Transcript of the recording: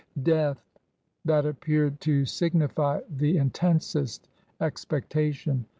Death ! That appeared to signify the intensest expec tation.